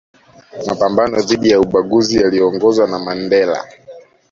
mapambano dhidi ya ubaguzi yaliyoongozwa na Mandela